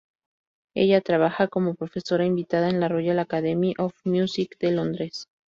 Ella trabaja como profesora invitada en la Royal Academy of Music de Londres.